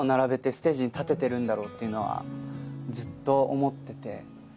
ステージに立ててるんだろうっていうのはずっと思ってて。